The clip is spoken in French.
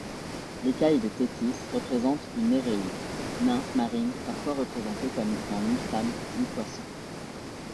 L'Écaille de Thétis représente une néréide, nymphe marine parfois représenté comme étant mi-femme, mi-poisson.